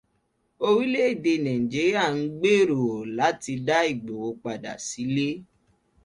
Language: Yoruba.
Orílẹ́èdè Nàíjíríà ń gbèrò láti dá Ìgbòho padà sílé.